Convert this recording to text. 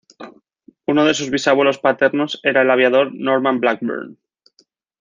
Uno de sus bisabuelos paternos era el aviador Norman Blackburn.